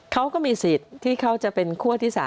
เขาก็มีสิทธิ์ที่เขาจะเป็นคั่วที่๓